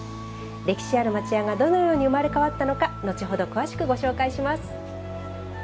歴史ある町家がどのように生まれ変わったのか後ほど詳しくご紹介します。